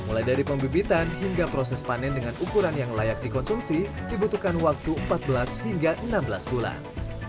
mulai dari pembibitan hingga proses panen dengan ukuran yang layak dikonsumsi dibutuhkan waktu empat belas hingga enam belas bulan